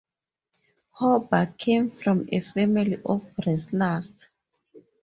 Gobar came from a family of wrestlers.